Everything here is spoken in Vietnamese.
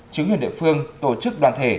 chứng nhận địa phương tổ chức đoàn thể